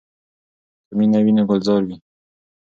که مینه وي نو ګلزار وي.